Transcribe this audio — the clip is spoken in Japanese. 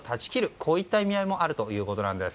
こういった意味合いもあるということです。